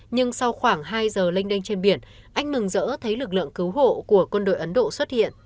nhưng sau khoảng hai giờ lênh đênh trên biển anh mừng dỡ thấy lực lượng cứu hộ của quân đội ấn độ xuất hiện